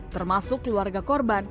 termasuk keluarga korban